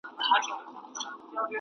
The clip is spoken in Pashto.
زه اوس لاس پرېولم،